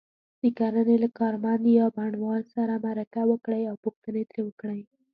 د کرنې له کارمند یا بڼوال سره مرکه وکړئ او پوښتنې ترې وکړئ.